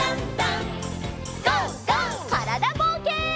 からだぼうけん。